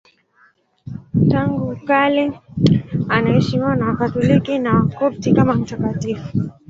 Tangu kale anaheshimiwa na Wakatoliki na Wakopti kama mtakatifu.